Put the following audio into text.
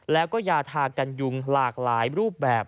แล้วก็ยาทากันยุงหลากหลายรูปแบบ